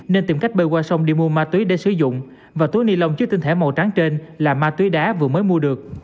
nên tìm cách bơi qua sông đi mua ma túy để sử dụng và túi ni lông chứa tinh thể màu trắng trên là ma túy đá vừa mới mua được